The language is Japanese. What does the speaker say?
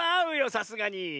さすがに。